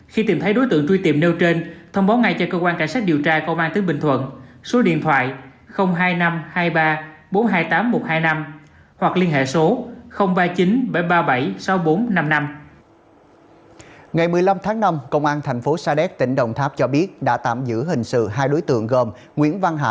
khi tìm thấy đối tượng truy tìm nêu trên thông báo ngay cho cơ quan cảnh sát điều tra công an tỉnh bình thuận